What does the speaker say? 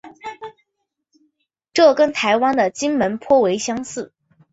这跟台湾的金门颇为相似。